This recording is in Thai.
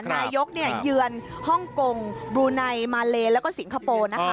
นายกเยือนฮ่องกงบลูไนมาเลแล้วก็สิงคโปร์นะคะ